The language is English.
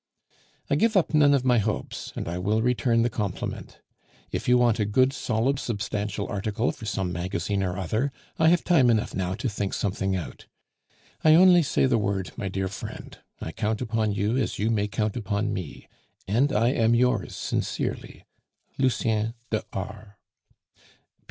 I give up none of my hopes, and I will return the compliment. If you want a good, solid, substantial article for some magazine or other, I have time enough now to think something out. I only say the word, my dear friend; I count upon you as you may count upon me, and I am yours sincerely. "LUCIEN DE R.